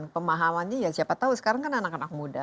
pemahamannya ya siapa tahu sekarang kan anak anak muda